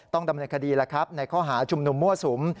ต้องดำเนินคดีแล้วครับในข้อหาชุมนุมมั่วสุม